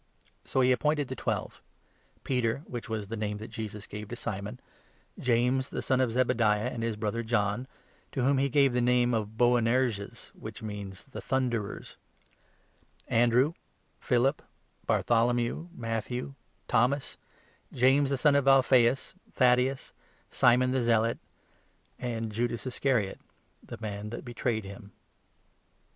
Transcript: So he appointed the Twelve — Peter (which was 16 the name that Jesus gave to Simon), James, the son of Zebediah, 17 and his brother John (to whom he gave the name of Boanerges, which means the Thunderers), Andrew, Philip, Bartholomew, 18 Matthew, Thomas, James the son of Alphaeus, Thaddaeus, Simon the Zealot, and Judas Iscaridt, the man that betrayed 19 him.